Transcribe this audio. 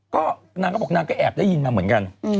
ก็นางก็บอกนางก็แอบได้ยินมาเหมือนกัน